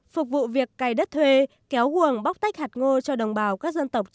phục vụ việc cày đất thuê kéo quần bóc tách hạt ngô cho đồng bào các dân tộc